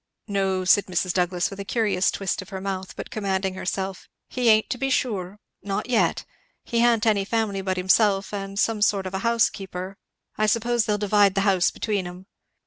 "No," said Mrs. Douglass, with a curious twist of her mouth but commanding herself, "he ain't to be sure not yet. He ha'n't any family but himself and some sort of a housekeeper, I suppose; they'll divide the house between 'em."